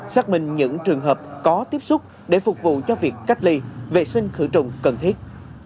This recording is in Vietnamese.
xác minh những trường hợp có tiếp xúc để phục vụ cho việc cách ly vệ sinh khử trùng cần thiết